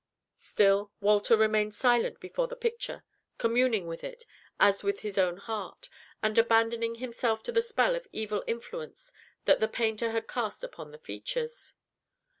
Still, Walter remained silent before the picture, communing with it, as with his own heart, and abandoning himself to the spell of evil influence that the painter had cast upon the features.